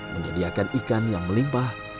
menyediakan ikan yang melimpah